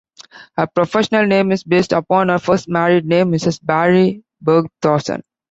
Her professional name is based upon her first married name, Mrs Barry Bergthorson.